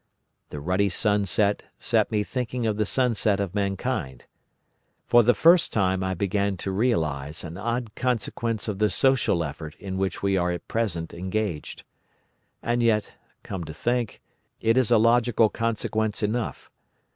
The ruddy sunset set me thinking of the sunset of mankind. For the first time I began to realise an odd consequence of the social effort in which we are at present engaged. And yet, come to think, it is a logical consequence enough.